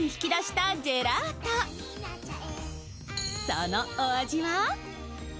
そのお味は？